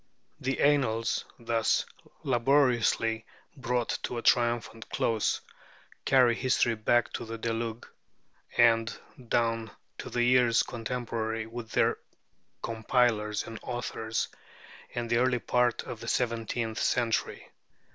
The Annals, thus laboriously brought to a triumphant close, carry history back to the Deluge, and down to the years contemporary with their compilers and authors, and the early part of the seventeenth century.